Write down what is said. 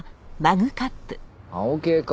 青系か。